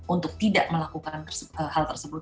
untuk tidak melakukan hal tersebut